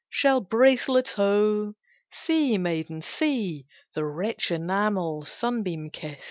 "Shell bracelets ho! See, maiden see! The rich enamel sunbeam kist!